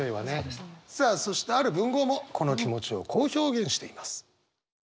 さあそしてある文豪もこの気持ちをこう表現しています。